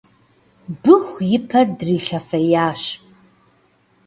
Быху и пэр дрилъэфеящ